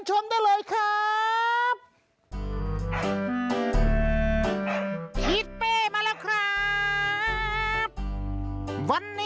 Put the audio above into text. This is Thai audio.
สวัสดีค่ะต่างทุกคน